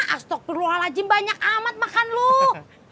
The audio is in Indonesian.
astagfirullahaladzim banyak amat makan loh